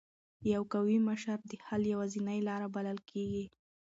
یو قوي مشر د حل یوازینۍ لار بلل کېږي.